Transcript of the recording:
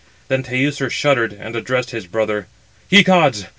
Then Teucer shuddered, and addressed his brother: "Ye gods!